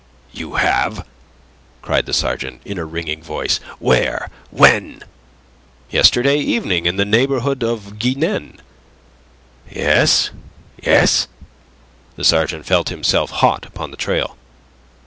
"You have?" cried the sergeant, in a ringing voice. "Where? When?" "Yesterday evening in the neighbourhood of Guignen..." "Yes, yes," the sergeant felt himself hot upon the trail.